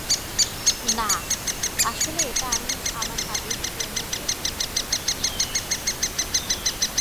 না, আসলে এটা আমি আমার কাজের ফ্রেমের জন্য করেছি।